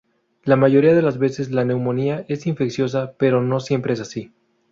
La mayoría de las veces la neumonía es infecciosa, pero no siempre es así.